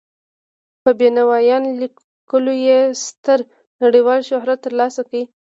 په بینوایان لیکلو یې ستر نړیوال شهرت تر لاسه کړی.